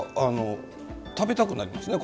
食べたくなりますね。